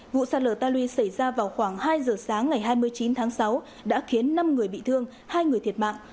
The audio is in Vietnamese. vụ sạt lở ta luy xảy ra vào khoảng hai giờ sáng ngày hai mươi chín tháng sáu đã khiến năm người bị thương hai người thiệt mạng